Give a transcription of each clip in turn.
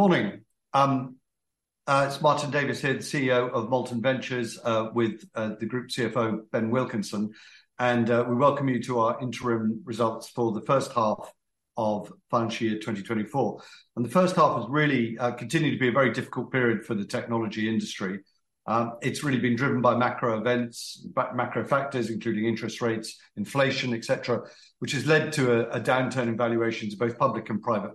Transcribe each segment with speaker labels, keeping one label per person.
Speaker 1: Morning! It's Martin Davis here, the CEO of Molten Ventures, with the Group CFO, Ben Wilkinson, and we welcome you to our interim results for the first half of financial year 2024. The first half has really continued to be a very difficult period for the technology industry. It's really been driven by macro events, macro factors, including interest rates, inflation, et cetera, which has led to a downturn in valuations of both public and private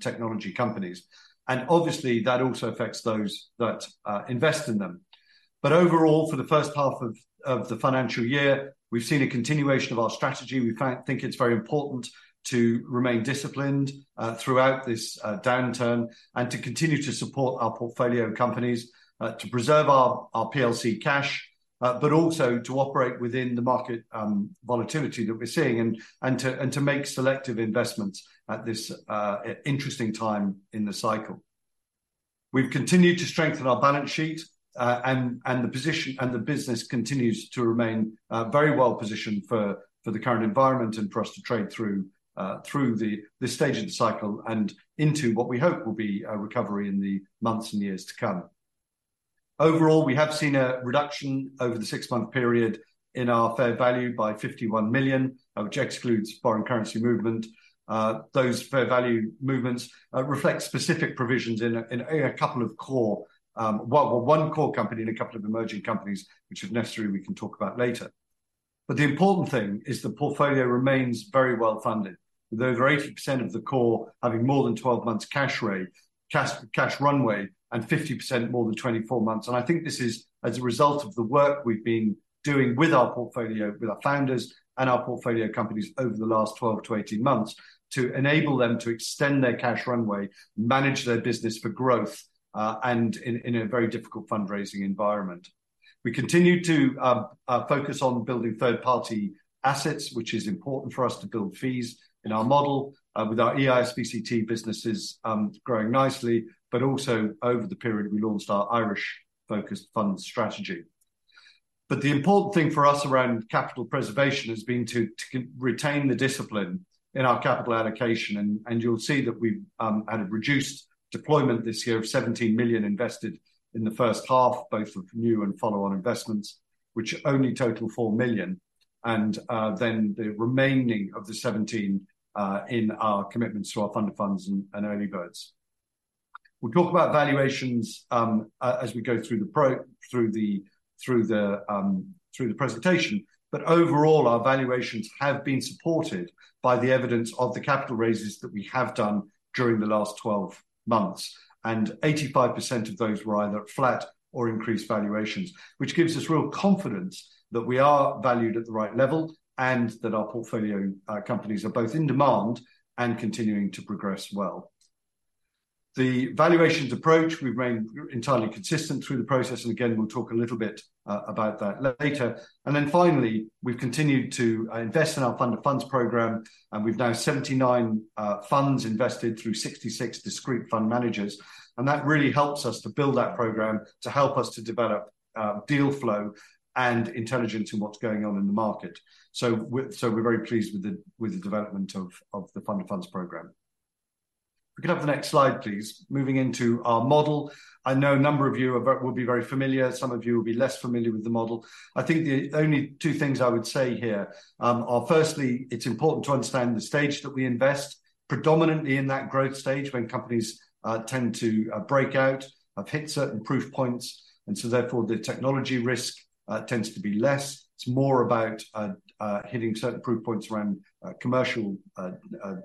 Speaker 1: technology companies. Obviously, that also affects those that invest in them. Overall, for the first half of the financial year, we've seen a continuation of our strategy. We think it's very important to remain disciplined throughout this downturn and to continue to support our portfolio companies to preserve our PLC cash but also to operate within the market volatility that we're seeing and to make selective investments at this interesting time in the cycle. We've continued to strengthen our balance sheet and the position. The business continues to remain very well positioned for the current environment and for us to trade through this stage of the cycle and into what we hope will be a recovery in the months and years to come. Overall, we have seen a reduction over the six-month period in our fair value by 51 million, which excludes foreign currency movement. Those fair value movements reflect specific provisions in a couple of core, one core company and a couple of emerging companies, which if necessary, we can talk about later. But the important thing is the portfolio remains very well-funded, with over 80% of the core having more than 12 months' cash runway, and 50% more than 24 months. I think this is as a result of the work we've been doing with our portfolio, with our founders and our portfolio companies over the last 12 to 18 months, to enable them to extend their cash runway, manage their business for growth, and in a very difficult fundraising environment. We continue to focus on building third-party assets, which is important for us to build fees in our model, with our EIS/SEIS businesses growing nicely, but also over the period, we launched our Irish-focused fund strategy. But the important thing for us around capital preservation has been to retain the discipline in our capital allocation, and you'll see that we've had a reduced deployment this year of 17 million invested in the first half, both of new and follow-on investments, which only total 4 million, and then the remaining of the 17 in our commitments to our Fund of Funds and Earlybird. We'll talk about valuations as we go through the presentation. But overall, our valuations have been supported by the evidence of the capital raises that we have done during the last 12 months, and 85% of those were either flat or increased valuations, which gives us real confidence that we are valued at the right level and that our portfolio companies are both in demand and continuing to progress well. The valuations approach, we've remained entirely consistent through the process, and again, we'll talk a little bit about that later. And then finally, we've continued to invest in our Fund of Funds program, and we've now 79 funds invested through 66 discrete fund managers. And that really helps us to build that program, to help us to develop deal flow and intelligence in what's going on in the market. So we're very pleased with the development of the Fund of Funds program. Can we have the next slide, please? Moving into our model. I know a number of you will be very familiar, some of you will be less familiar with the model. I think the only two things I would say here are firstly, it's important to understand the stage that we invest, predominantly in that growth stage when companies tend to break out, have hit certain proof points, and so therefore, the technology risk tends to be less. It's more about hitting certain proof points around commercial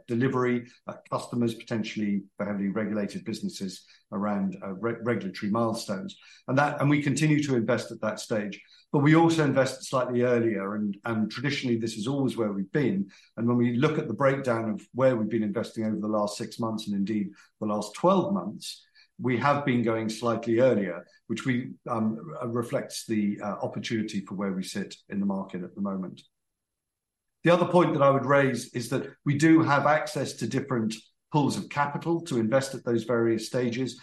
Speaker 1: delivery, customers, potentially for heavily regulated businesses around regulatory milestones. And we continue to invest at that stage. But we also invest slightly earlier, and traditionally, this is always where we've been. And when we look at the breakdown of where we've been investing over the last 6 months, and indeed the last 12 months, we have been going slightly earlier, which reflects the opportunity for where we sit in the market at the moment. The other point that I would raise is that we do have access to different pools of capital to invest at those various stages.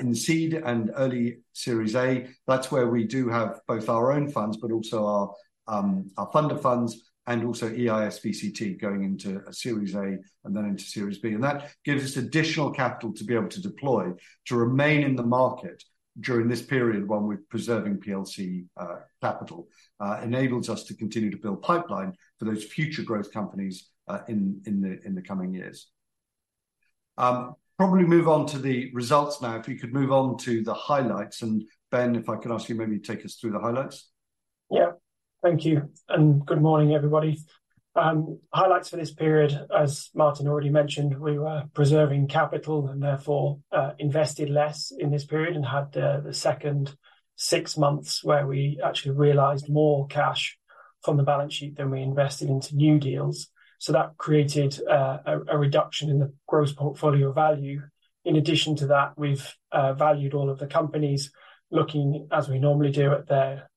Speaker 1: In seed and early Series A, that's where we do have both our own funds, but also our Fund of Funds, and also EIS/SEIS going into a Series A and then into Series B. And that gives us additional capital to be able to deploy, to remain in the market during this period when we're preserving PLC capital. Enables us to continue to build pipeline for those future growth companies in the coming years. Probably move on to the results now. If you could move on to the highlights, and Ben, if I could ask you maybe to take us through the highlights?
Speaker 2: Yeah. Thank you, and good morning, everybody. Highlights for this period, as Martin already mentioned, we were preserving capital, and therefore, invested less in this period and had the second six months where we actually realized more cash from the balance sheet than we invested into new deals. So that created a reduction in the gross portfolio value. In addition to that, we've valued all of the companies, looking as we normally do at their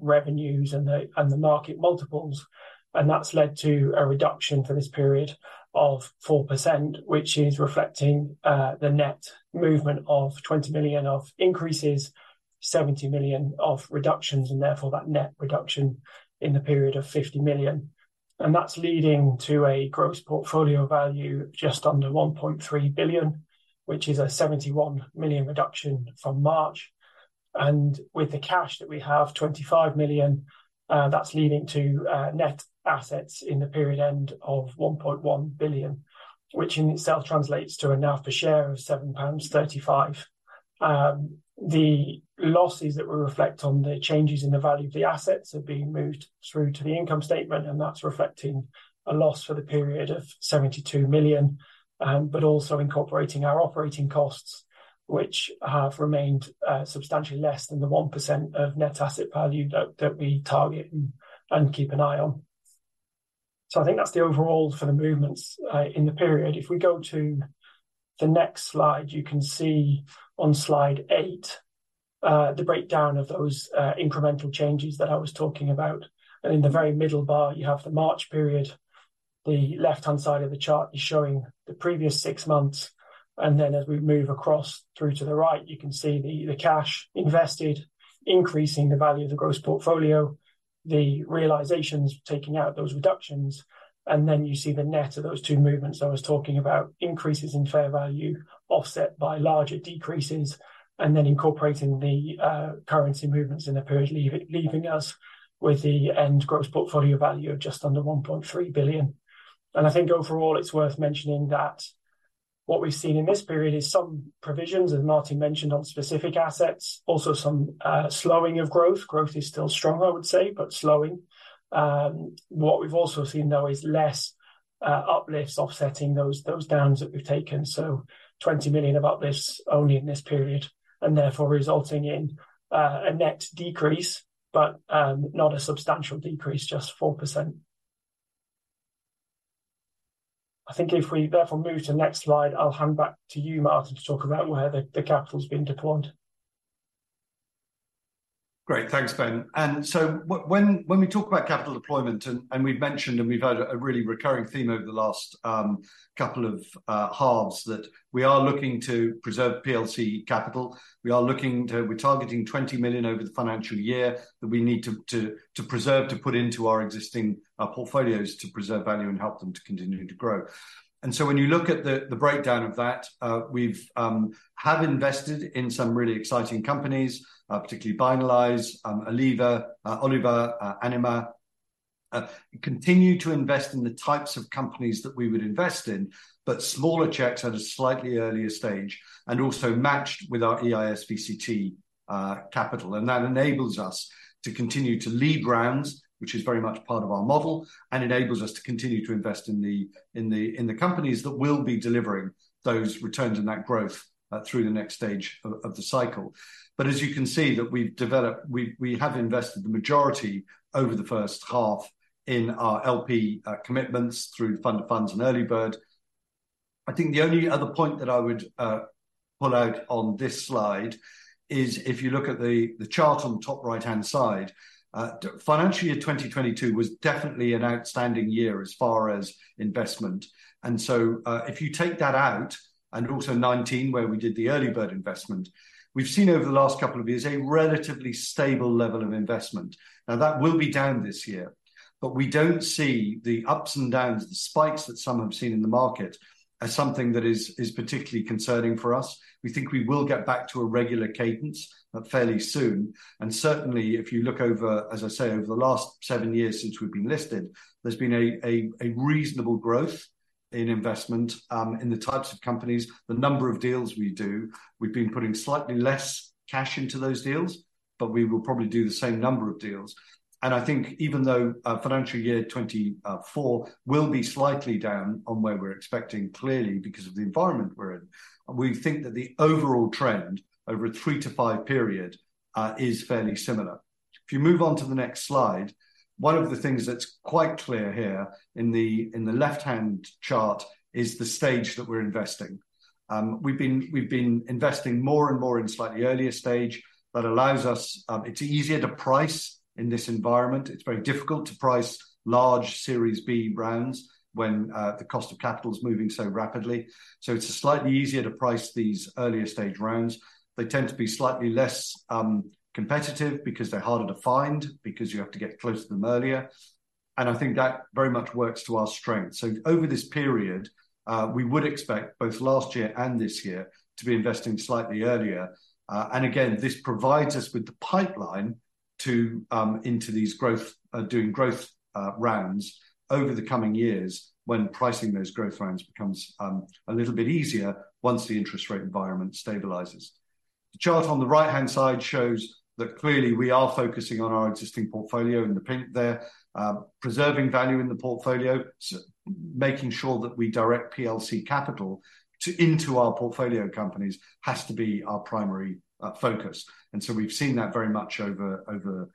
Speaker 2: revenues and the market multiples, and that's led to a reduction for this period of 4%, which is reflecting the net movement of 20 million of increases, 70 million of reductions, and therefore, that net reduction in the period of 50 million. And that's leading to a gross portfolio value just under 1.3 billion, which is a 71 million reduction from March. With the cash that we have, 25 million, that's leading to net assets in the period end of 1.1 billion, which in itself translates to a NAV per share of 7.35 pounds. The losses that we reflect on, the changes in the value of the assets are being moved through to the income statement, and that's reflecting a loss for the period of 72 million. But also incorporating our operating costs, which have remained substantially less than the 1% of net asset value that we target and keep an eye on. So I think that's the overall for the movements in the period. If we go to the next slide, you can see on slide 8 the breakdown of those incremental changes that I was talking about. In the very middle bar, you have the March period. The left-hand side of the chart is showing the previous six months, and then as we move across through to the right, you can see the, the cash invested, increasing the value of the Gross Portfolio, the realisations taking out those reductions. Then you see the net of those two movements I was talking about, increases in fair value, offset by larger decreases, and then incorporating the currency movements in the period, leaving us with the end Gross Portfolio Value of just under 1.3 billion. I think overall, it's worth mentioning that what we've seen in this period is some provisions, as Martin mentioned, on specific assets. Also some slowing of growth. Growth is still strong, I would say, but slowing. What we've also seen, though, is less uplifts offsetting those downs that we've taken. So 20 million about this, only in this period, and therefore resulting in a net decrease, but not a substantial decrease, just 4%. I think if we therefore move to the next slide, I'll hand back to you, Martin, to talk about where the capital's been deployed.
Speaker 1: Great. Thanks, Ben. And so when we talk about capital deployment, and we've mentioned, and we've had a really recurring theme over the last couple of halves, that we are looking to preserve PLC capital. We are looking to. We're targeting 20 million over the financial year that we need to preserve, to put into our existing portfolios, to preserve value and help them to continue to grow. And so when you look at the breakdown of that, we have invested in some really exciting companies, particularly Binalyze, Aleva, Oliva, Anima. Continue to invest in the types of companies that we would invest in, but smaller checks at a slightly earlier stage, and also matched with our EIS VCT capital. That enables us to continue to lead rounds, which is very much part of our model, and enables us to continue to invest in the companies that will be delivering those returns and that growth through the next stage of the cycle. But as you can see, we have invested the majority over the first half in our LP commitments through the Fund of Funds and Earlybird. I think the only other point that I would pull out on this slide is, if you look at the chart on the top right-hand side, financial year 2022 was definitely an outstanding year as far as investment. So, if you take that out, and also 2019, where we did the Earlybird investment, we've seen over the last couple of years a relatively stable level of investment. Now, that will be down this year, but we don't see the ups and downs, the spikes that some have seen in the market, as something that is particularly concerning for us. We think we will get back to a regular cadence fairly soon, and certainly, if you look over, as I say, over the last 7 years since we've been listed, there's been a reasonable growth in investment in the types of companies, the number of deals we do. We've been putting slightly less cash into those deals, but we will probably do the same number of deals. I think even though financial year 2024 will be slightly down on where we're expecting, clearly because of the environment we're in, we think that the overall trend over a 3-5 period is fairly similar. If you move on to the next slide, one of the things that's quite clear here in the left-hand chart is the stage that we're investing. We've been investing more and more in slightly earlier stage. That allows us. It's easier to price in this environment. It's very difficult to price large Series B rounds when the cost of capital is moving so rapidly. So it's slightly easier to price these earlier stage rounds. They tend to be slightly less competitive because they're harder to find, because you have to get close to them earlier, and I think that very much works to our strength. So over this period, we would expect both last year and this year to be investing slightly earlier. And again, this provides us with the pipeline into these growth rounds over the coming years when pricing those growth rounds becomes a little bit easier once the interest rate environment stabilizes. The chart on the right-hand side shows that clearly we are focusing on our existing portfolio in the pink there. Preserving value in the portfolio, making sure that we direct PLC capital into our portfolio companies, has to be our primary focus. And so we've seen that very much over, over.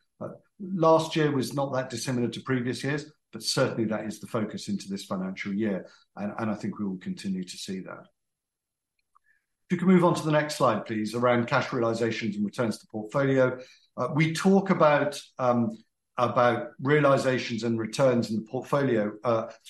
Speaker 1: Last year was not that dissimilar to previous years, but certainly that is the focus into this financial year, and I think we will continue to see that. If you could move on to the next slide, please, around cash realizations and returns to portfolio. We talk about realizations and returns in the portfolio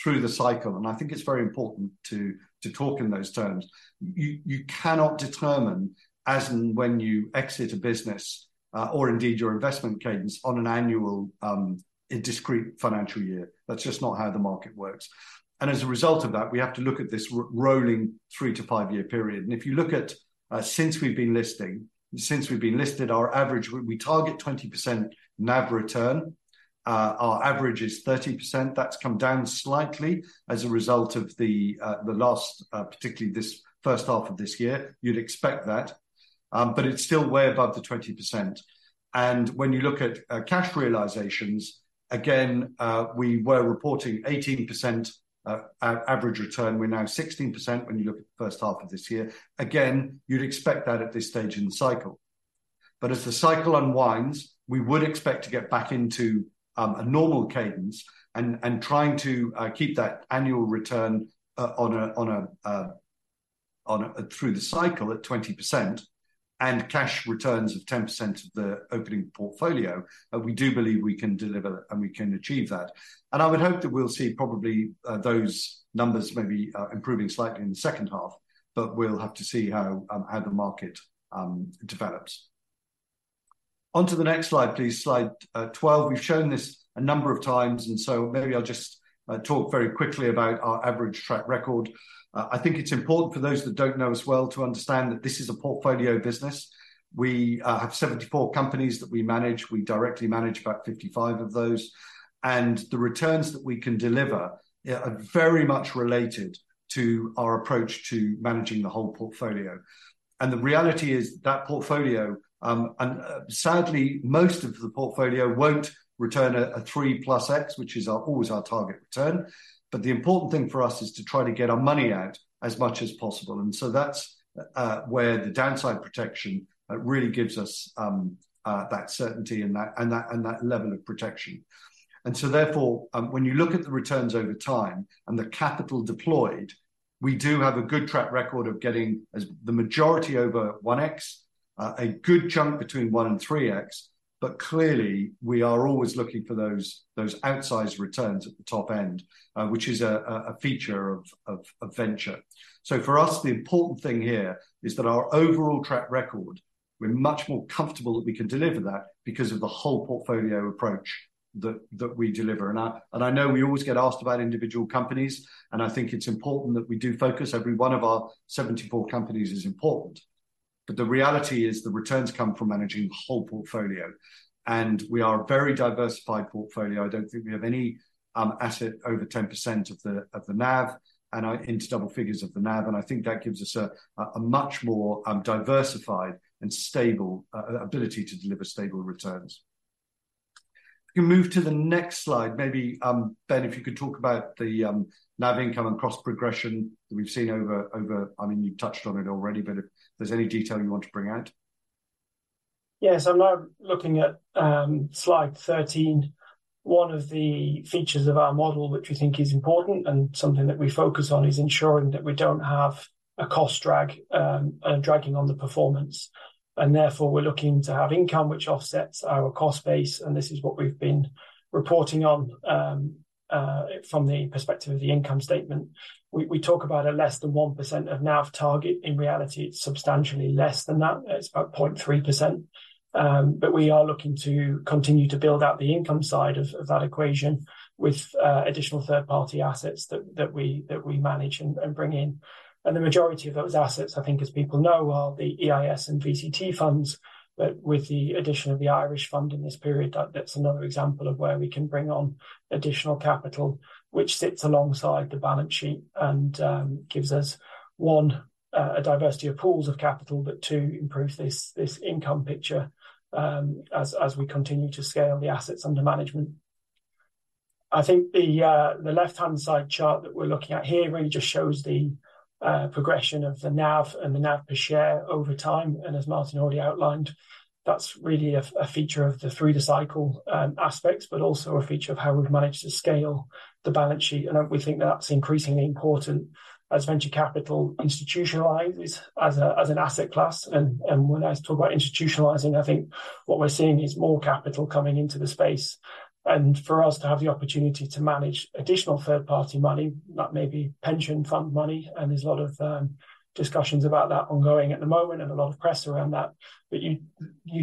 Speaker 1: through the cycle, and I think it's very important to talk in those terms. You cannot determine as and when you exit a business or indeed your investment cadence on an annual, a discrete financial year. That's just not how the market works. And as a result of that, we have to look at this rolling 3-5-year period. And if you look at, since we've been listing, since we've been listed, we target 20% NAV return. Our average is 30%. That's come down slightly as a result of the last, particularly this first half of this year. You'd expect that, but it's still way above the 20%. And when you look at cash realizations, again, we were reporting 18%, average return. We're now 16% when you look at the first half of this year. Again, you'd expect that at this stage in the cycle. But as the cycle unwinds, we would expect to get back into a normal cadence and trying to keep that annual return through the cycle at 20%, and cash returns of 10% of the opening portfolio. We do believe we can deliver and we can achieve that. I would hope that we'll see probably those numbers maybe improving slightly in the second half, but we'll have to see how the market develops. On to the next slide, please, slide 12. We've shown this a number of times, and so maybe I'll just talk very quickly about our average track record. I think it's important for those that don't know us well to understand that this is a portfolio business. We have 74 companies that we manage. We directly manage about 55 of those, and the returns that we can deliver are very much related to our approach to managing the whole portfolio. And the reality is, that portfolio and sadly, most of the portfolio won't return a 3x+, which is always our target return. But the important thing for us is to try to get our money out as much as possible, and so that's where the downside protection really gives us that certainty and that level of protection. So therefore, when you look at the returns over time and the capital deployed, we do have a good track record of getting as the majority over 1x, a good chunk between 1x and 3x. But clearly, we are always looking for those outsized returns at the top end, which is a feature of venture. So for us, the important thing here is that our overall track record, we're much more comfortable that we can deliver that because of the whole portfolio approach that we deliver. I know we always get asked about individual companies, and I think it's important that we do focus. Every one of our 74 companies is important, but the reality is the returns come from managing the whole portfolio, and we are a very diversified portfolio. I don't think we have any asset over 10% of the NAV, and into double figures of the NAV, and I think that gives us a much more diversified and stable ability to deliver stable returns. If you move to the next slide, maybe, Ben, if you could talk about the NAV income and cost progression that we've seen over. I mean, you've touched on it already, but if there's any detail you want to bring out.
Speaker 2: Yes, I'm now looking at slide 13. One of the features of our model which we think is important, and something that we focus on, is ensuring that we don't have a cost drag dragging on the performance, and therefore, we're looking to have income which offsets our cost base, and this is what we've been reporting on from the perspective of the income statement. We talk about a less than 1% of NAV target. In reality, it's substantially less than that. It's about 0.3%. But we are looking to continue to build out the income side of that equation with additional third-party assets that we manage and bring in. And the majority of those assets, I think, as people know, are the EIS and VCT funds, but with the addition of the Irish fund in this period, that, that's another example of where we can bring on additional capital, which sits alongside the balance sheet and, gives us, one, a diversity of pools of capital, but two, improve this income picture, as we continue to scale the assets under management. I think the left-hand side chart that we're looking at here really just shows the progression of the NAV and the NAV per share over time, and as Martin already outlined, that's really a feature of the through-the-cycle aspects, but also a feature of how we've managed to scale the balance sheet. And we think that's increasingly important as venture capital institutionalizes as an asset class. When I talk about institutionalizing, I think what we're seeing is more capital coming into the space, and for us to have the opportunity to manage additional third-party money, that may be pension fund money, and there's a lot of discussions about that ongoing at the moment and a lot of press around that. But you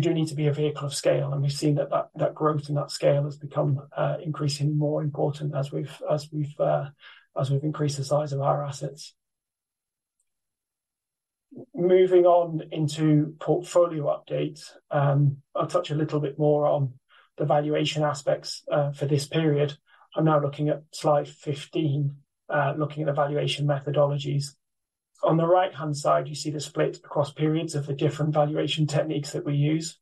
Speaker 2: do need to be a vehicle of scale, and we've seen that growth and that scale has become increasingly more important as we've increased the size of our assets. Moving on into portfolio updates, I'll touch a little bit more on the valuation aspects for this period. I'm now looking at slide 15, looking at the valuation methodologies. On the right-hand side, you see the split across periods of the different valuation techniques that we use.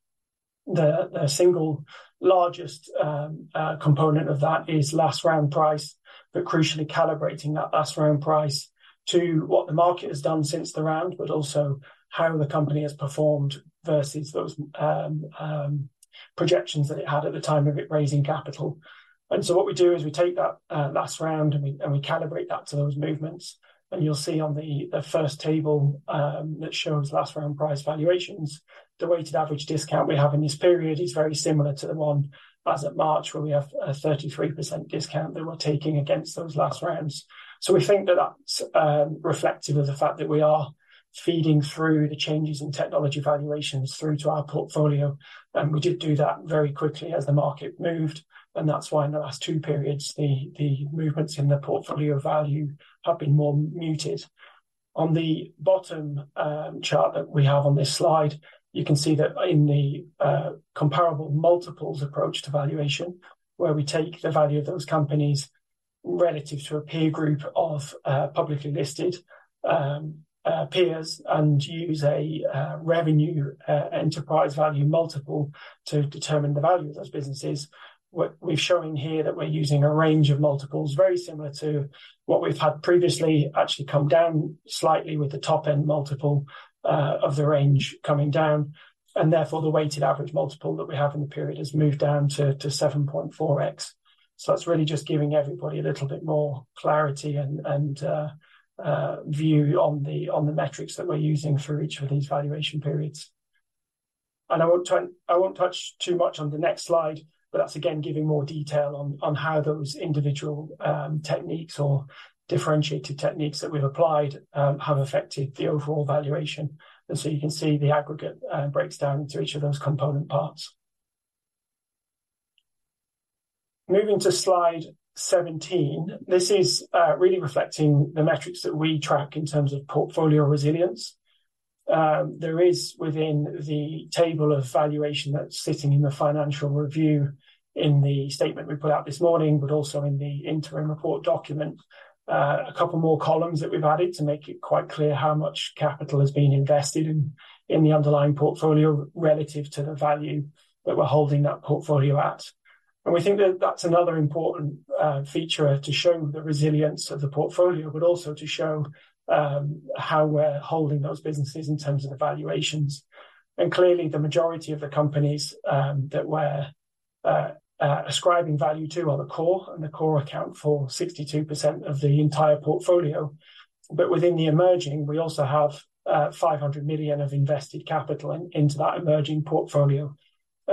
Speaker 2: The single- The largest component of that is last round price, but crucially calibrating that last round price to what the market has done since the round, but also how the company has performed versus those projections that it had at the time of it raising capital. And so what we do is we take that last round, and we calibrate that to those movements. And you'll see on the first table that shows last round price valuations, the weighted average discount we have in this period is very similar to the one as at March, where we have a 33% discount that we're taking against those last rounds. So we think that that's reflective of the fact that we are feeding through the changes in technology valuations through to our portfolio, and we did do that very quickly as the market moved, and that's why in the last two periods, the movements in the portfolio value have been more muted. On the bottom chart that we have on this slide, you can see that in the comparable multiples approach to valuation, where we take the value of those companies relative to a peer group of publicly listed peers, and use a revenue enterprise value multiple to determine the value of those businesses. What we're showing here that we're using a range of multiples, very similar to what we've had previously, actually come down slightly with the top end multiple of the range coming down, and therefore, the weighted average multiple that we have in the period has moved down to 7.4x. So that's really just giving everybody a little bit more clarity and view on the metrics that we're using for each of these valuation periods. And I won't touch too much on the next slide, but that's again, giving more detail on how those individual techniques or differentiated techniques that we've applied have affected the overall valuation. And so you can see the aggregate breaks down into each of those component parts. Moving to slide 17, this is really reflecting the metrics that we track in terms of portfolio resilience. There is, within the table of valuation that's sitting in the financial review, in the statement we put out this morning, but also in the interim report document, a couple more columns that we've added to make it quite clear how much capital has been invested in the underlying portfolio relative to the value that we're holding that portfolio at. We think that that's another important feature to show the resilience of the portfolio, but also to show how we're holding those businesses in terms of the valuations. Clearly, the majority of the companies that we're ascribing value to are the core, and the core account for 62% of the entire portfolio. But within the emerging, we also have 500 million of invested capital into that emerging portfolio.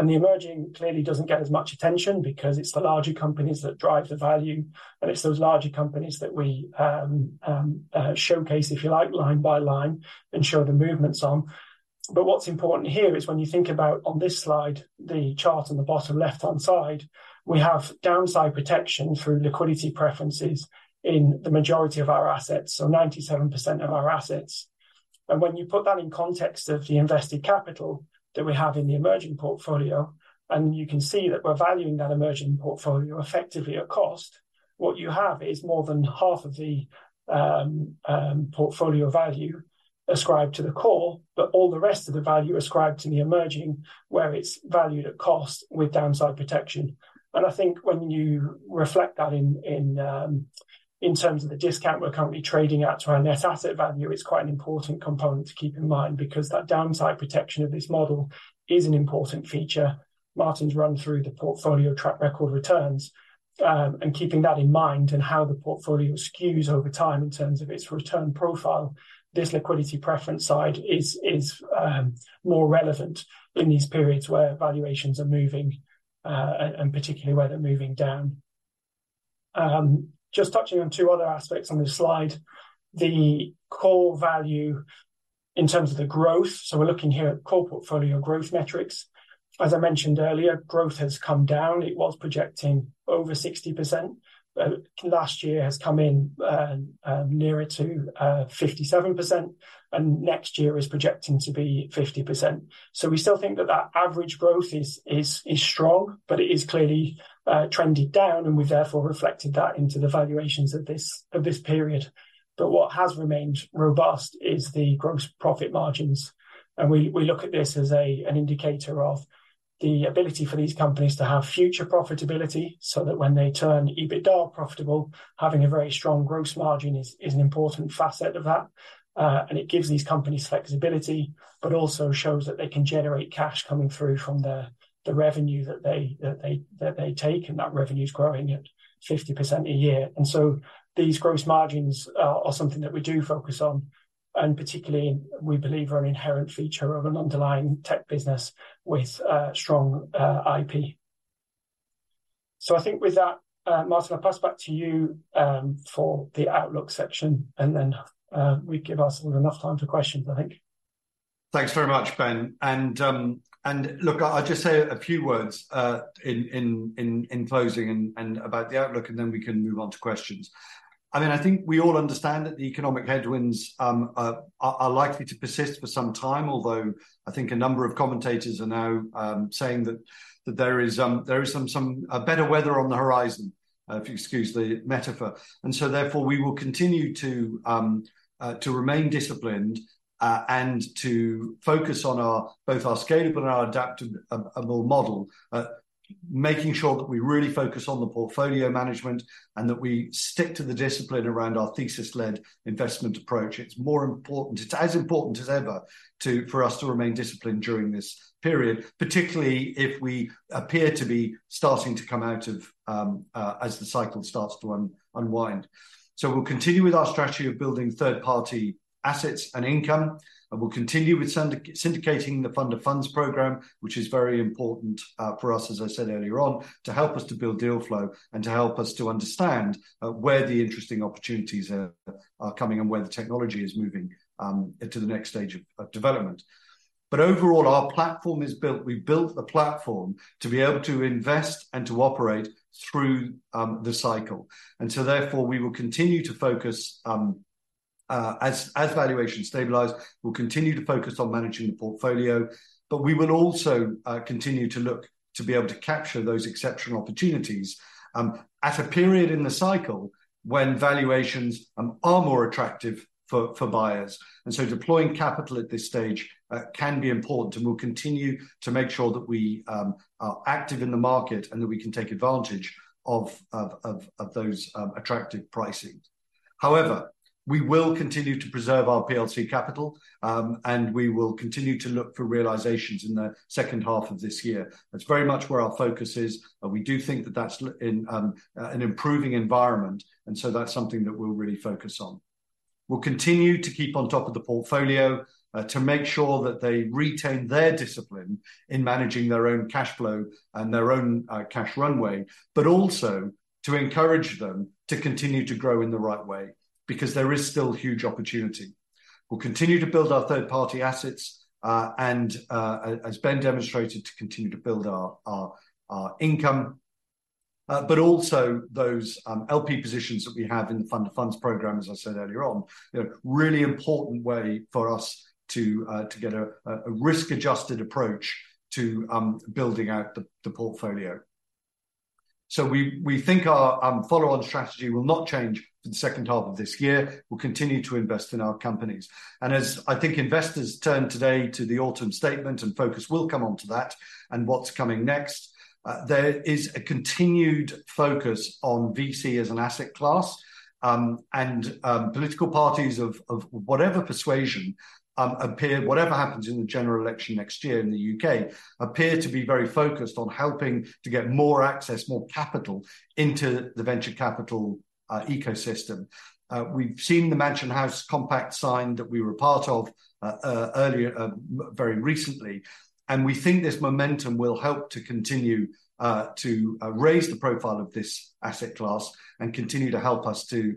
Speaker 2: The emerging clearly doesn't get as much attention, because it's the larger companies that drive the value, and it's those larger companies that we showcase, if you like, line by line, and show the movements on. But what's important here is when you think about, on this slide, the chart on the bottom left-hand side, we have downside protection through liquidity preferences in the majority of our assets, so 97% of our assets. And when you put that in context of the invested capital that we have in the emerging portfolio, and you can see that we're valuing that emerging portfolio effectively at cost, what you have is more than half of the portfolio value ascribed to the core, but all the rest of the value ascribed to the emerging, where it's valued at cost with downside protection. And I think when you reflect that in terms of the discount we're currently trading at to our net asset value, it's quite an important component to keep in mind, because that downside protection of this model is an important feature. Martin's run through the portfolio track record returns, and keeping that in mind, and how the portfolio skews over time in terms of its return profile, this liquidity preference side is more relevant in these periods where valuations are moving, and particularly where they're moving down. Just touching on two other aspects on this slide, the core value in terms of the growth, so we're looking here at core portfolio growth metrics. As I mentioned earlier, growth has come down. It was projecting over 60%, but last year has come in nearer to 57%, and next year is projecting to be 50%. So we still think that that average growth is strong, but it is clearly trended down, and we've therefore reflected that into the valuations of this period. But what has remained robust is the gross profit margins, and we look at this as an indicator of the ability for these companies to have future profitability, so that when they turn EBITDA profitable, having a very strong gross margin is an important facet of that. And it gives these companies flexibility, but also shows that they can generate cash coming through from the revenue that they take, and that revenue's growing at 50% a year. And so these gross margins are something that we do focus on, and particularly, we believe are an inherent feature of an underlying tech business with strong IP. So I think with that, Martin, I'll pass back to you for the outlook section, and then we give ourselves enough time for questions, I think.
Speaker 1: Thanks very much, Ben. And look, I'll just say a few words in closing and about the outlook, and then we can move on to questions. I mean, I think we all understand that the economic headwinds are likely to persist for some time, although I think a number of commentators are now saying that there is some better weather on the horizon. if you excuse the metaphor. And so therefore, we will continue to remain disciplined and to focus on our both our scalable and our adaptive model. Making sure that we really focus on the portfolio management, and that we stick to the discipline around our thesis-led investment approach. It's more important, it's as important as ever for us to remain disciplined during this period, particularly if we appear to be starting to come out of as the cycle starts to unwind. So we'll continue with our strategy of building third-party assets and income, and we'll continue with syndicating the Fund of Funds program, which is very important for us, as I said earlier on, to help us to build deal flow, and to help us to understand where the interesting opportunities are coming and where the technology is moving into the next stage of development. But overall, our platform is built. We've built the platform to be able to invest and to operate through the cycle. Therefore, we will continue to focus, as valuations stabilize, we'll continue to focus on managing the portfolio, but we will also continue to look to be able to capture those exceptional opportunities, at a period in the cycle when valuations are more attractive for buyers. And so deploying capital at this stage can be important, and we'll continue to make sure that we are active in the market, and that we can take advantage of those attractive pricings. However, we will continue to preserve our PLC capital, and we will continue to look for realizations in the second half of this year. That's very much where our focus is, and we do think that that's in an improving environment, and so that's something that we'll really focus on. We'll continue to keep on top of the portfolio, to make sure that they retain their discipline in managing their own cash flow and their own cash runway, but also to encourage them to continue to grow in the right way, because there is still huge opportunity. We'll continue to build our third-party assets, and as Ben demonstrated, to continue to build our income. But also those LP positions that we have in the Fund of Funds program, as I said earlier on, they're a really important way for us to get a risk-adjusted approach to building out the portfolio. So we think our follow-on strategy will not change in the second half of this year. We'll continue to invest in our companies. And as I think investors turn today to the Autumn Statement, and focus will come onto that and what's coming next, there is a continued focus on VC as an asset class. Political parties of whatever persuasion, whatever happens in the general election next year in the U.K., appear to be very focused on helping to get more access, more capital into the venture capital ecosystem. We've seen the Mansion House Compact signed, that we were a part of, earlier very recently, and we think this momentum will help to continue to raise the profile of this asset class, and continue to help us to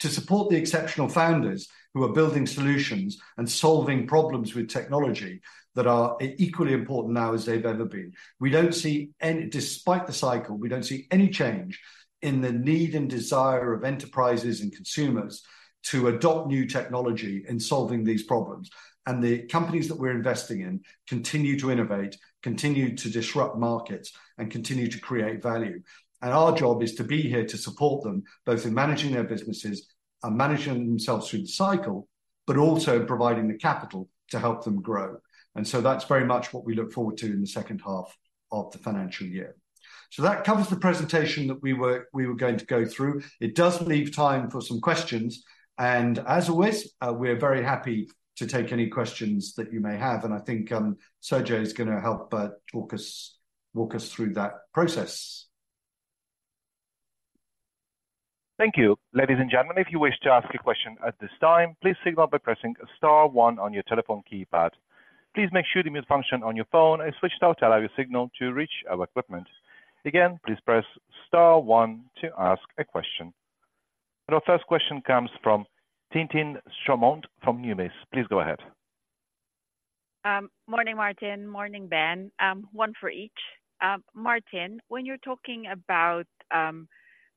Speaker 1: support the exceptional founders who are building solutions and solving problems with technology that are equally important now as they've ever been. We don't see any. Despite the cycle, we don't see any change in the need and desire of enterprises and consumers to adopt new technology in solving these problems. And the companies that we're investing in continue to innovate, continue to disrupt markets, and continue to create value. And our job is to be here to support them, both in managing their businesses and managing themselves through the cycle, but also providing the capital to help them grow. And so that's very much what we look forward to in the second half of the financial year. So that covers the presentation that we were going to go through. It does leave time for some questions, and as always, we're very happy to take any questions that you may have. And I think, Sergio is going to help walk us through that process.
Speaker 3: Thank you. Ladies and gentlemen, if you wish to ask a question at this time, please signal by pressing star one on your telephone keypad. Please make sure the mute function on your phone is switched off to allow your signal to reach our equipment. Again, please press star one to ask a question. Our first question comes from Tintin Stormont from Deutsche Numis. Please go ahead.
Speaker 4: Morning, Martin. Morning, Ben. One for each. Martin, when you're talking about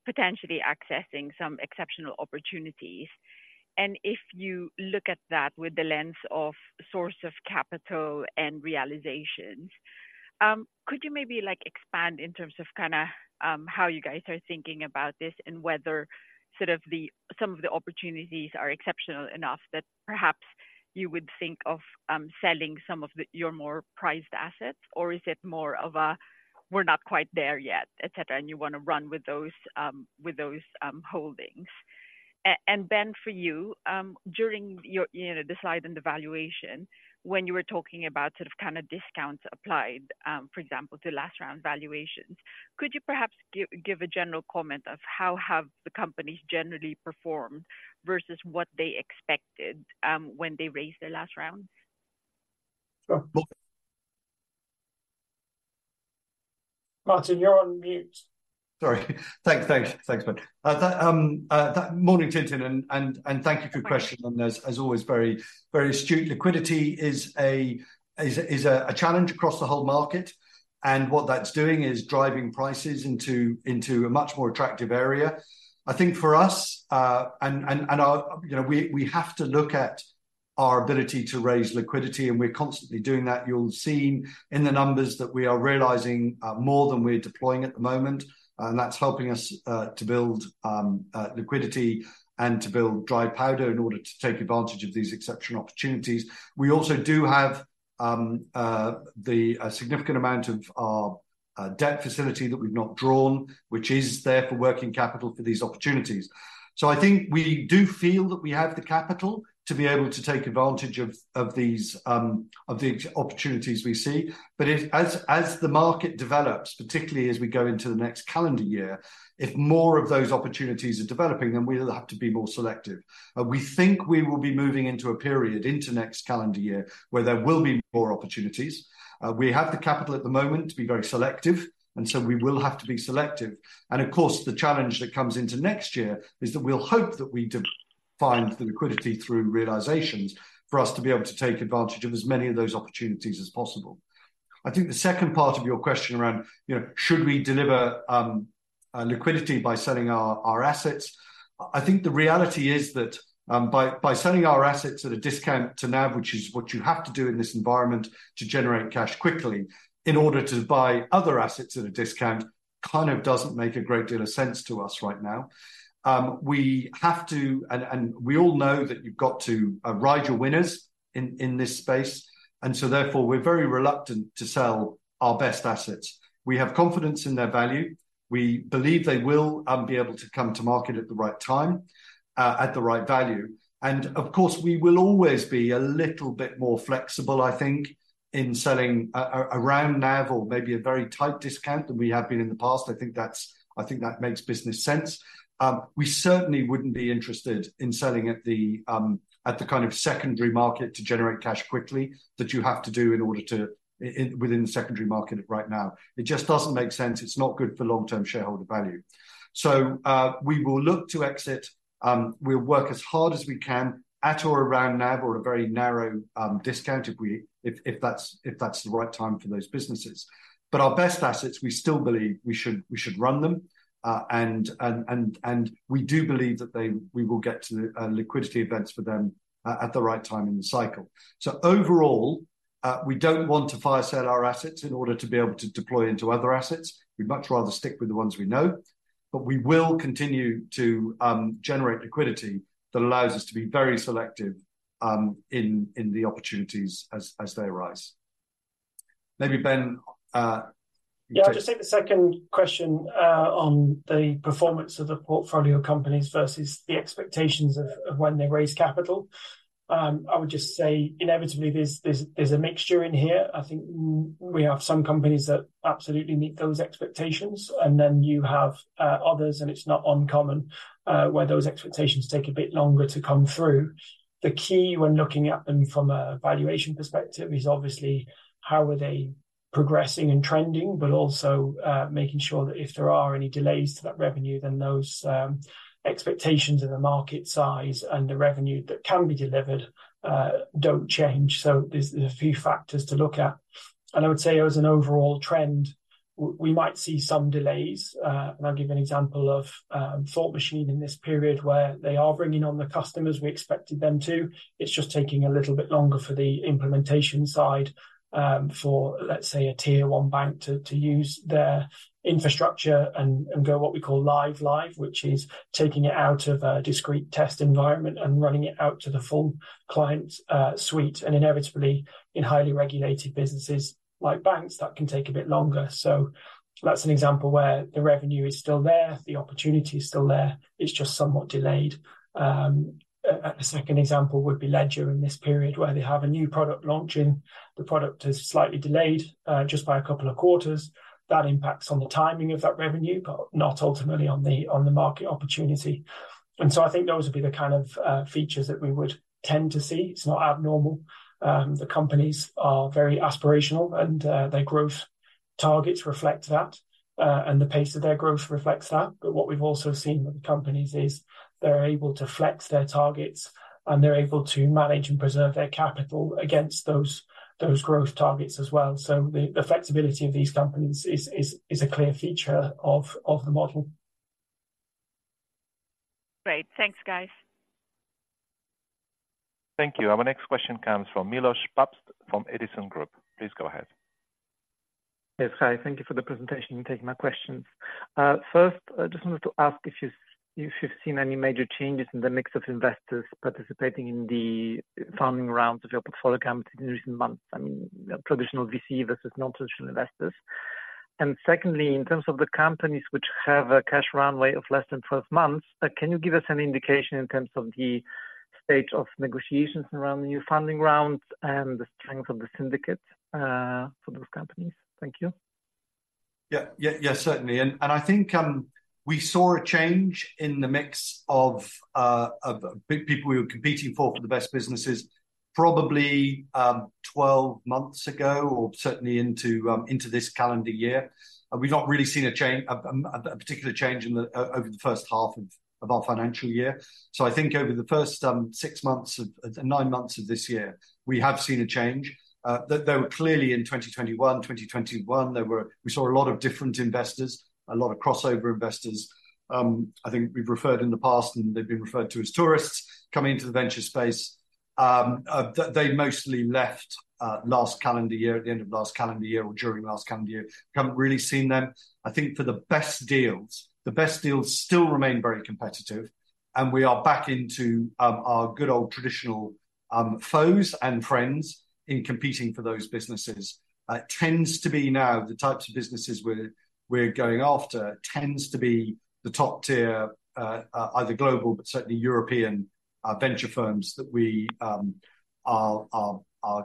Speaker 4: potentially accessing some exceptional opportunities, and if you look at that with the lens of source of capital and realizations, could you maybe, like, expand in terms of kind of how you guys are thinking about this, and whether sort of the some of the opportunities are exceptional enough that perhaps you would think of selling some of the your more prized assets? Or is it more of a, "We're not quite there yet," et cetera, and you want to run with those, with those, holdings? And Ben, for you, during your, you know, the slide on the valuation, when you were talking about sort of kind of discounts applied, for example, to last round valuations, could you perhaps give, give a general comment of how have the companies generally performed versus what they expected, when they raised their last rounds?
Speaker 1: Sure. Well-
Speaker 2: Martin, you're on mute. Sorry. Thank you. Thanks, Ben. Morning, Tintin, and thank you for your question.
Speaker 4: Thanks.
Speaker 1: And as always, very, very astute. Liquidity is a challenge across the whole market, and what that's doing is driving prices into a much more attractive area. I think for us, you know, we have to look at our ability to raise liquidity, and we're constantly doing that. You'll see in the numbers that we are realizing more than we're deploying at the moment, and that's helping us to build liquidity and to build dry powder in order to take advantage of these exceptional opportunities. We also do have a significant amount of our debt facility that we've not drawn, which is there for working capital for these opportunities. So I think we do feel that we have the capital to be able to take advantage of these opportunities we see. But if as the market develops, particularly as we go into the next calendar year, if more of those opportunities are developing, then we'll have to be more selective. We think we will be moving into a period into next calendar year where there will be more opportunities. We have the capital at the moment to be very selective, and so we will have to be selective. And of course, the challenge that comes into next year is that we'll hope that we do find the liquidity through realizations for us to be able to take advantage of as many of those opportunities as possible. I think the second part of your question around, you know, should we deliver liquidity by selling our assets? I think the reality is that, by selling our assets at a discount to NAV, which is what you have to do in this environment to generate cash quickly in order to buy other assets at a discount, kind of doesn't make a great deal of sense to us right now. We have to... And we all know that you've got to ride your winners in this space, and so therefore, we're very reluctant to sell our best assets. We have confidence in their value. We believe they will be able to come to market at the right time at the right value. Of course, we will always be a little bit more flexible, I think, in selling around NAV or maybe a very tight discount than we have been in the past. I think that's, I think that makes business sense. We certainly wouldn't be interested in selling at the kind of secondary market to generate cash quickly that you have to do in order to within the secondary market right now. It just doesn't make sense. It's not good for long-term shareholder value. So, we will look to exit, we'll work as hard as we can at or around NAV or a very narrow discount if that's the right time for those businesses. But our best assets, we still believe we should run them. We do believe that we will get to the liquidity events for them at the right time in the cycle. So overall, we don't want to fire sell our assets in order to be able to deploy into other assets. We'd much rather stick with the ones we know. But we will continue to generate liquidity that allows us to be very selective in the opportunities as they arise. Maybe Ben.
Speaker 2: Yeah, I'll just take the second question on the performance of the portfolio companies versus the expectations of when they raise capital. I would just say inevitably, there's a mixture in here. I think we have some companies that absolutely meet those expectations, and then you have others, and it's not uncommon where those expectations take a bit longer to come through. The key when looking at them from a valuation perspective is obviously how are they progressing and trending, but also making sure that if there are any delays to that revenue, then those expectations in the market size and the revenue that can be delivered don't change. So there's a few factors to look at. I would say as an overall trend, we might see some delays. And I'll give an example of Thought Machine in this period, where they are bringing on the customers we expected them to. It's just taking a little bit longer for the implementation side, for, let's say, a Tier One bank to use their infrastructure and go what we call live-live, which is taking it out of a discrete test environment and running it out to the full client suite. And inevitably, in highly regulated businesses like banks, that can take a bit longer. So that's an example where the revenue is still there, the opportunity is still there, it's just somewhat delayed. A second example would be Ledger in this period, where they have a new product launching. The product is slightly delayed, just by a couple of quarters. That impacts on the timing of that revenue, but not ultimately on the market opportunity. And so I think those would be the kind of features that we would tend to see. It's not abnormal. The companies are very aspirational, and their growth targets reflect that, and the pace of their growth reflects that. But what we've also seen with the companies is they're able to flex their targets, and they're able to manage and preserve their capital against those growth targets as well. So the flexibility of these companies is a clear feature of the model.
Speaker 4: Great. Thanks, guys.
Speaker 3: Thank you. Our next question comes from Miłosz Papst from Edison Group. Please go ahead.
Speaker 5: Yes, hi. Thank you for the presentation and taking my questions. First, I just wanted to ask if you've, if you've seen any major changes in the mix of investors participating in the funding rounds of your portfolio companies in recent months, I mean, traditional VC versus non-traditional investors. And secondly, in terms of the companies which have a cash runway of less than 12 months, can you give us an indication in terms of the stage of negotiations around the new funding rounds and the strength of the syndicate, for those companies? Thank you.
Speaker 1: Yeah. Yeah, yeah, certainly. I think we saw a change in the mix of people we were competing for the best businesses probably 12 months ago, or certainly into this calendar year. We've not really seen a particular change over the first half of our financial year. So I think over the first 9 months of this year, we have seen a change. Though clearly in 2021, we saw a lot of different investors, a lot of crossover investors. I think we've referred in the past, and they've been referred to as tourists coming into the venture space. They mostly left last calendar year, at the end of last calendar year or during last calendar year. Haven't really seen them. I think for the best deals, the best deals still remain very competitive, and we are back into our good old traditional foes and friends in competing for those businesses. It tends to be now the types of businesses we're going after, tends to be the top tier, either global, but certainly European venture firms that we are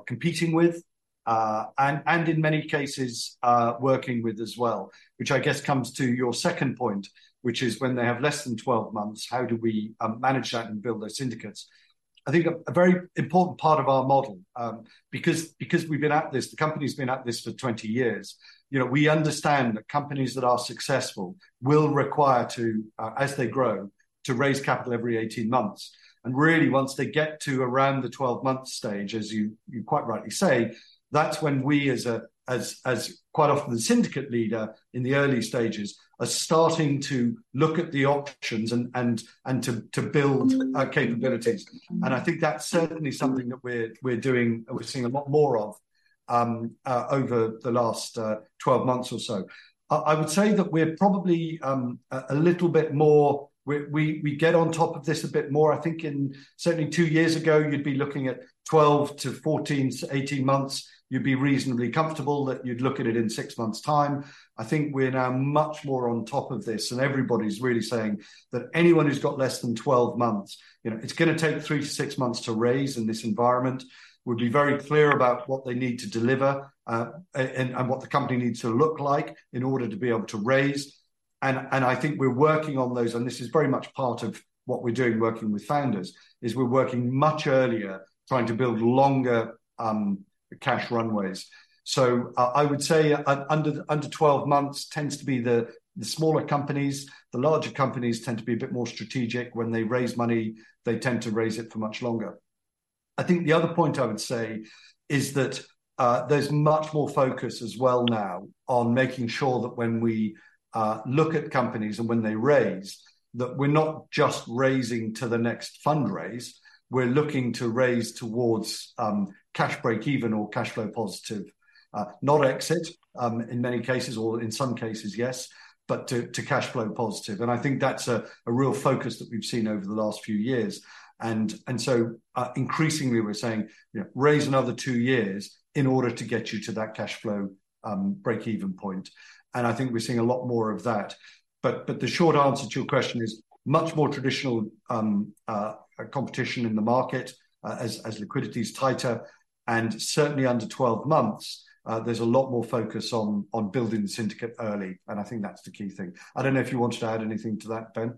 Speaker 1: competing with, and in many cases working with as well, which I guess comes to your second point, which is when they have less than 12 months, how do we manage that and build those syndicates? I think a very important part of our model, because, because we've been at this, the company's been at this for 20 years, you know, we understand that companies that are successful will require to, as they grow, to raise capital every 18 months. And really, once they get to around the 12-month stage, as you, you quite rightly say, that's when we, as a, as, as quite often the syndicate leader in the early stages, are starting to look at the options and, and, and to, to build, capabilities. And I think that's certainly something that we're, we're doing and we're seeing a lot more of, over the last, twelve months or so. I, I would say that we're probably, a little bit more. We, we, we get on top of this a bit more. I think in certainly two years ago, you'd be looking at 12 to 14 to 18 months, you'd be reasonably comfortable that you'd look at it in six months' time. I think we're now much more on top of this, and everybody's really saying that anyone who's got less than 12 months, you know, it's gonna take 3-6 months to raise in this environment. We'd be very clear about what they need to deliver, and what the company needs to look like in order to be able to raise. And I think we're working on those, and this is very much part of what we're doing working with founders, is we're working much earlier, trying to build longer cash runways. So I would say under 12 months tends to be the smaller companies. The larger companies tend to be a bit more strategic. When they raise money, they tend to raise it for much longer. I think the other point I would say is that, there's much more focus as well now on making sure that when we look at companies and when they raise, that we're not just raising to the next fundraise, we're looking to raise towards, cash breakeven or cash flow positive. Not exit, in many cases, or in some cases, yes, but to, to cash flow positive. And I think that's a, a real focus that we've seen over the last few years. And, and so, increasingly, we're saying, you know, "Raise another two years in order to get you to that cash flow, breakeven point." And I think we're seeing a lot more of that. But the short answer to your question is much more traditional competition in the market, as liquidity is tighter, and certainly under 12 months, there's a lot more focus on building the syndicate early, and I think that's the key thing. I don't know if you wanted to add anything to that, Ben,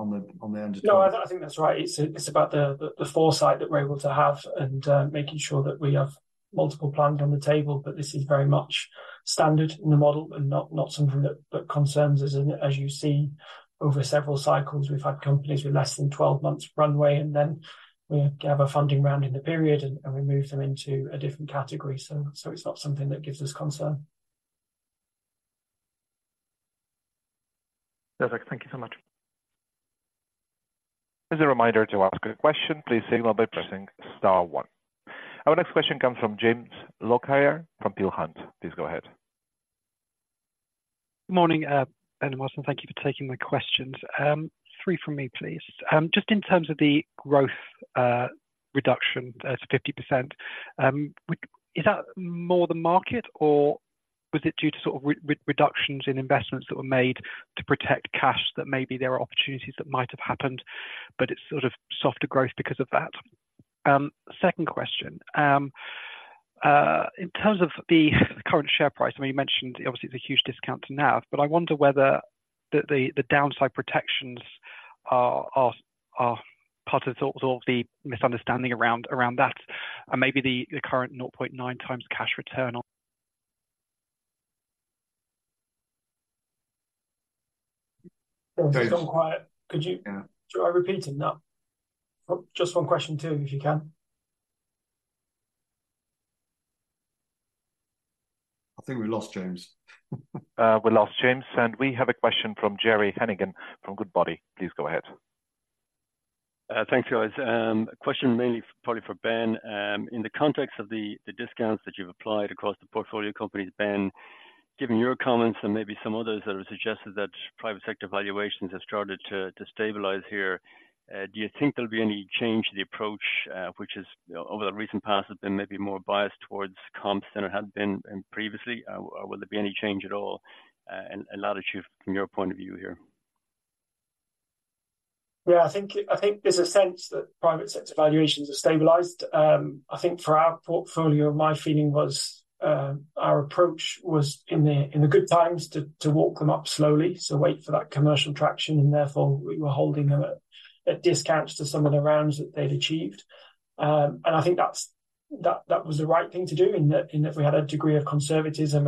Speaker 1: on the under 12?
Speaker 2: No, I think that's right. It's about the foresight that we're able to have and making sure that we have multiple plans on the table, but this is very much standard in the model and not something that concerns us. And as you see, over several cycles, we've had companies with less than 12 months runway, and then we have a funding round in the period, and we move them into a different category. So it's not something that gives us concern.
Speaker 3: Perfect. Thank you so much. As a reminder to ask a question, please signal by pressing star one. Our next question comes from James Lockyer from Peel Hunt. Please go ahead.
Speaker 6: Morning, Ben and Martin, thank you for taking my questions. Three from me, please. Just in terms of the growth reduction to 50%, is that more the market, or was it due to sort of reductions in investments that were made to protect cash, that maybe there are opportunities that might have happened, but it's sort of softer growth because of that? Second question. In terms of the current share price, I mean, you mentioned obviously it's a huge discount to NAV, but I wonder whether the downside protections are part of the misunderstanding around that, and maybe the current 0.9 times cash return on-
Speaker 2: It's gone quiet. Could you-
Speaker 1: Yeah.
Speaker 2: Try repeating that? Oh, just one question two, if you can.
Speaker 1: I think we lost James.
Speaker 3: We lost James, and we have a question from Gerry Hennigan from Goodbody. Please go ahead.
Speaker 7: Thanks, guys. A question mainly probably for Ben. In the context of the discounts that you've applied across the portfolio companies, Ben, given your comments and maybe some others that have suggested that private sector valuations have started to stabilize here, do you think there'll be any change to the approach, which is, you know, over the recent past, has been maybe more biased towards comps than it had been previously? Or will there be any change at all, and latitude from your point of view here?
Speaker 2: Yeah, I think there's a sense that private sector valuations have stabilized. I think for our portfolio, my feeling was our approach was, in the good times, to walk them up slowly, so wait for that commercial traction, and therefore, we were holding them at discounts to some of the rounds that they'd achieved. And I think that's- that was the right thing to do in that we had a degree of conservatism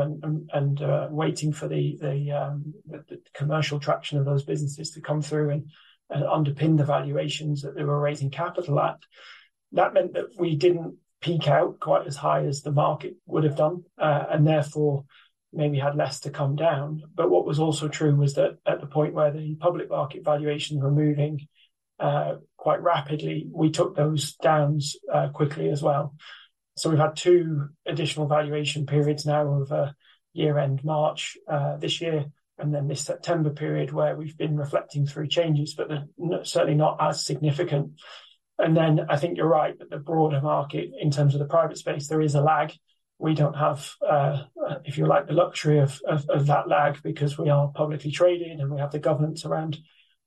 Speaker 2: and waiting for the commercial traction of those businesses to come through and underpin the valuations that they were raising capital at. That meant that we didn't peak out quite as high as the market would have done, and therefore, maybe had less to come down. But what was also true was that at the point where the public market valuations were moving quite rapidly, we took those downs quickly as well. So we've had two additional valuation periods now over year-end March this year, and then this September period, where we've been reflecting through changes, but they're certainly not as significant. And then I think you're right that the broader market, in terms of the private space, there is a lag. We don't have, if you like, the luxury of that lag because we are publicly traded, and we have the governance around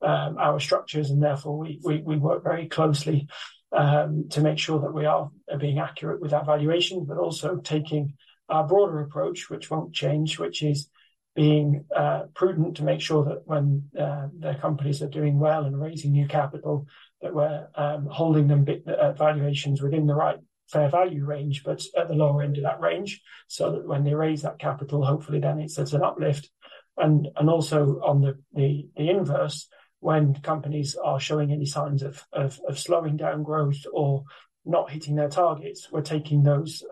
Speaker 2: our structures, and therefore, we work very closely to make sure that we are being accurate with our valuation, but also taking a broader approach, which won't change, which is being prudent to make sure that when the companies are doing well and raising new capital, that we're holding them at valuations within the right fair value range, but at the lower end of that range. So that when they raise that capital, hopefully then it sets an uplift. Also on the inverse, when companies are showing any signs of slowing down growth or not hitting their targets, we're taking those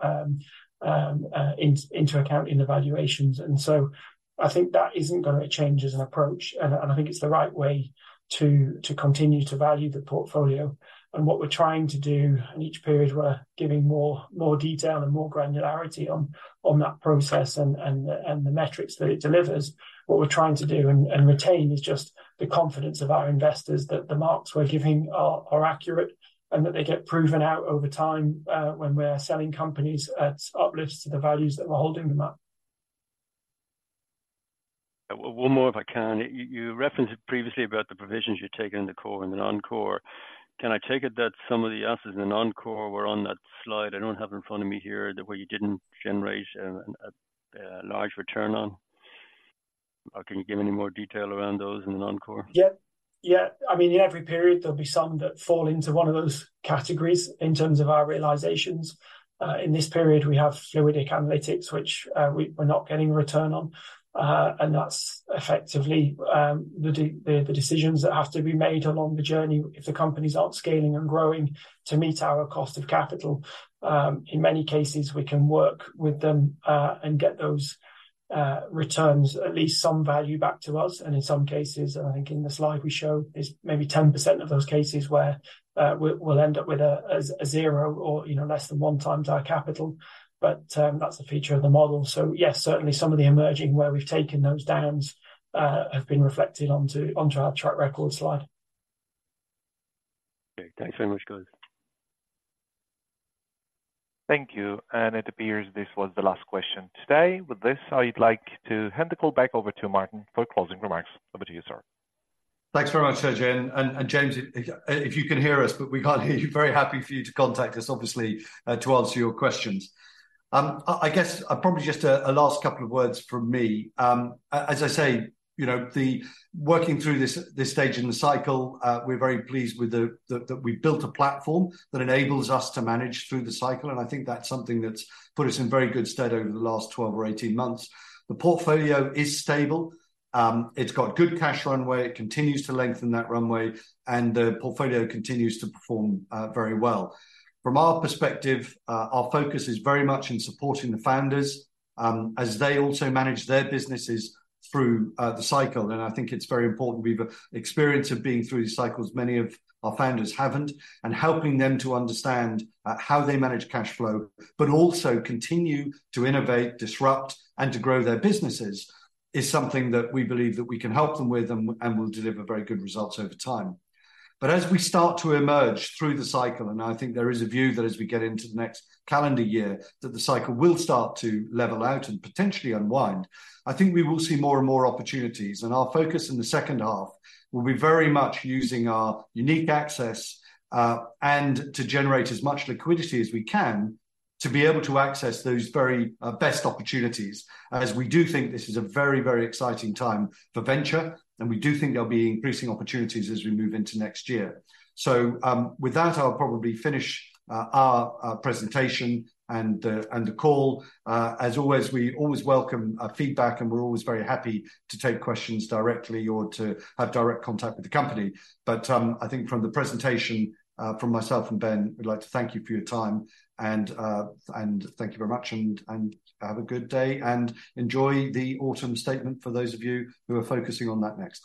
Speaker 2: into account in the valuations. So I think that isn't gonna change as an approach, and I think it's the right way to continue to value the portfolio. What we're trying to do, in each period we're giving more detail and more granularity on that process and the metrics that it delivers. What we're trying to do and retain is just the confidence of our investors that the marks we're giving are accurate, and that they get proven out over time, when we're selling companies at uplifts to the values that we're holding them at.
Speaker 7: One more, if I can. You referenced it previously about the provisions you've taken in the core and the non-core. Can I take it that some of the assets in the non-core were on that slide, I don't have in front of me here, that where you didn't generate a large return on? Or can you give any more detail around those in the non-core?
Speaker 2: Yeah. Yeah, I mean, in every period, there'll be some that fall into one of those categories in terms of our realisations. In this period, we have Fluidic Analytics, which we're not getting a return on. And that's effectively the decisions that have to be made along the journey if the companies aren't scaling and growing to meet our cost of capital. In many cases, we can work with them and get those returns, at least some value back to us. And in some cases, I think in the slide we show, it's maybe 10% of those cases where we'll end up with a zero or, you know, less than one times our capital. But that's a feature of the model. Yes, certainly some of the emerging where we've taken those downs have been reflected onto, onto our track record slide.
Speaker 7: Okay, thanks very much, guys.
Speaker 3: Thank you, and it appears this was the last question today. With this, I'd like to hand the call back over to Martin for closing remarks. Over to you, sir.
Speaker 1: Thanks very much, Sergei. James, if you can hear us, but we can't hear you, very happy for you to contact us, obviously, to answer your questions. I guess probably just a last couple of words from me. As I say, you know, the working through this stage in the cycle, we're very pleased with that we've built a platform that enables us to manage through the cycle, and I think that's something that's put us in very good stead over the last 12 or 18 months. The portfolio is stable. It's got good cash runway. It continues to lengthen that runway, and the portfolio continues to perform very well. From our perspective, our focus is very much in supporting the founders, as they also manage their businesses through the cycle. And I think it's very important. We've experience of being through the cycles many of our founders haven't, and helping them to understand how they manage cash flow, but also continue to innovate, disrupt, and to grow their businesses, is something that we believe that we can help them with and, and will deliver very good results over time. But as we start to emerge through the cycle, and I think there is a view that as we get into the next calendar year, that the cycle will start to level out and potentially unwind, I think we will see more and more opportunities. And our focus in the second half will be very much using our unique access and to generate as much liquidity as we can, to be able to access those very best opportunities, as we do think this is a very, very exciting time for venture, and we do think there'll be increasing opportunities as we move into next year. So, with that, I'll probably finish our presentation and the call. As always, we always welcome feedback, and we're always very happy to take questions directly or to have direct contact with the company. I think from the presentation, from myself and Ben, we'd like to thank you for your time, and thank you very much, and have a good day, and enjoy the Autumn Statement for those of you who are focusing on that next.